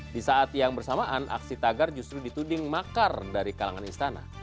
di saat yang bersamaan aksi tagar justru dituding makar dari kalangan istana